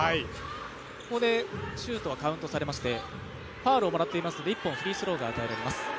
ここでシュートはカウントされまして、ファウルをもらっていますので１本フリースローが与えられます。